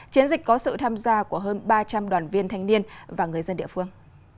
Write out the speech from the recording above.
chiến dịch có sự tham gia của hơn ba trăm linh đoàn viên thanh niên và người dân địa phương